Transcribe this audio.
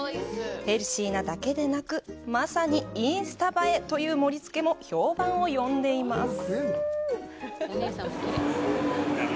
ヘルシーなだけでなくまさにインスタ映えという盛りつけも評判を呼んでいます。